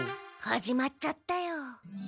始まっちゃったよ。